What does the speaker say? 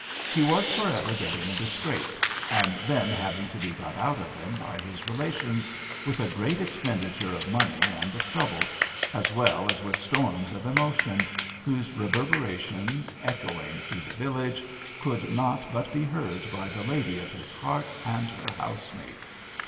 He was for ever getting into scrapes, and then having to be got out of them by his relations, with a great expenditure of money and of trouble, as well as with storms of emotion, whose reverberations echoing through the village, could not but be heard by the lady of his heart and her housemates.